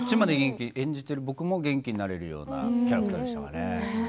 演じている僕も元気になれるキャラクターでしたからね。